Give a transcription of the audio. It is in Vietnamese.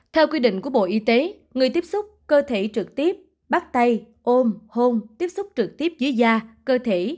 theo quy định của bộ y tế người tiếp xúc cơ thể trực tiếp bắt tay ôm hôn tiếp xúc trực tiếp dưới da cơ thể